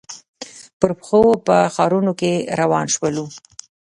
پر پښو په ښارنو کې روان شولو.